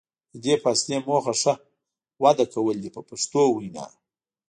د دې فاصلې موخه ښه وده کول دي په پښتو وینا.